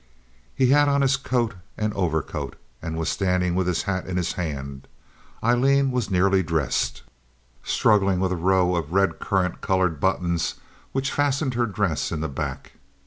He had on his coat and overcoat, and was standing with his hat in his hand. Aileen was nearly dressed, struggling with the row of red current colored buttons which fastened her dress in the back.